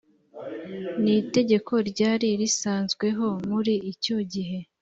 n itegeko ryari risanzweho muri icyo gihe